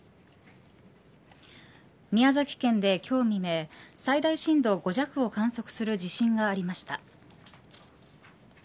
宮崎県で今日未明最大震度５弱を観測する地震がありました。